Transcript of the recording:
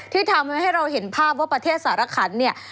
ที่ทำให้เราเห็นภาพว่าประเทศสารขันเนี่ย